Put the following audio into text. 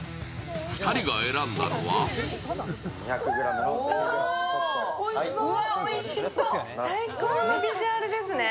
２人が選んだのは最高のビジュアルですね。